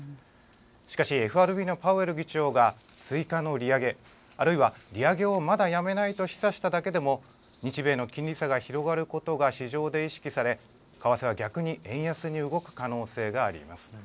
しかし、ＦＲＢのパウエル議長が追加の利上げ、あるいは利上げをまだやめないと示唆しただけでも日米の金利差が広がることが市場で意識され、為替は逆に円安に動く可能性があります。